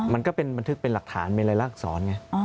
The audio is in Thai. มันก็เป็นบันทึกเป็นหลักฐานมีรายลักษรไง